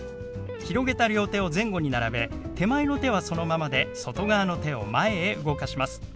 広げた両手を前後に並べ手前の手はそのままで外側の手を前へ動かします。